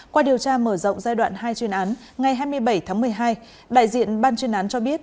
qua điều tra mở rộng giai đoạn hai chuyên án ngày hai mươi bảy tháng một mươi hai đại diện ban chuyên án cho biết